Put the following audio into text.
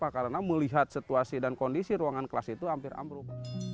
karena melihat situasi dan kondisi ruangan kelas itu hampir amruk